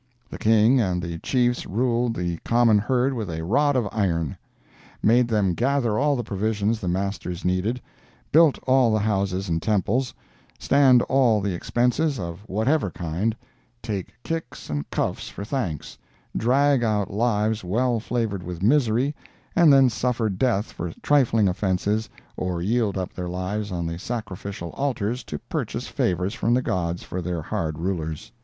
The king and the chiefs ruled the common herd with a rod of iron; made them gather all the provisions the masters needed; build all the houses and temples; stand all the expenses, of whatever kind; take kicks and cuffs for thanks; drag out lives well flavored with misery, and then suffer death for trifling offenses or yield up their lives on the sacrificial alters to purchase favors from the gods for their hard rulers.